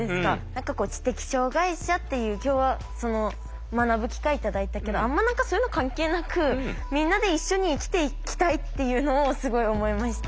何かこう知的障害者っていう今日は学ぶ機会頂いたけどあんま何かそういうの関係なくみんなで一緒に生きていきたいっていうのをすごい思いました。